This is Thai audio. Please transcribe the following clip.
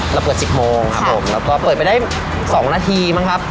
เราเปิด๑๐โมงครับผมแล้วก็เปิดไปได้๒นาทีมั้งครับ